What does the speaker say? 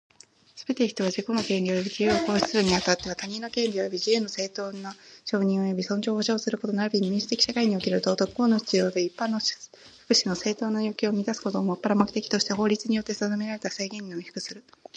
すべて人は、自己の権利及び自由を行使するに当っては、他人の権利及び自由の正当な承認及び尊重を保障すること並びに民主的社会における道徳、公の秩序及び一般の福祉の正当な要求を満たすことをもっぱら目的として法律によって定められた制限にのみ服する。